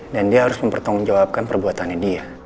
dia harus mempertanggungjawabkan perbuatannya dia